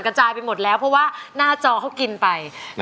กระจายไปหมดแล้วเพราะว่าหน้าจอเขากินไป